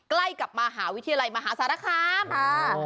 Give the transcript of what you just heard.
ใกล้กับมหาวิทยาลัยมหาสารคามค่ะ